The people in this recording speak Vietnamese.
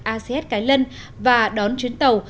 acs cái lân và đón chuyến tàu